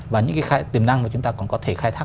và những cái tiềm năng mà chúng ta còn có thể khai thác